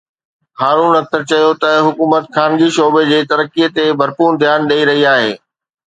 هارون اختر چيو ته حڪومت خانگي شعبي جي ترقي تي ڀرپور ڌيان ڏئي رهي آهي